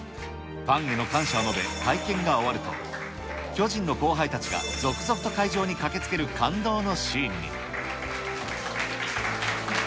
ファンへの感謝を述べ、会見が終わると、巨人の後輩たちが続々と会場に駆けつける感動のシーンに。